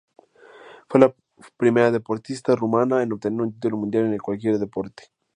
Fue la primera deportista rumana en obtener un título mundial en cualquier deporte.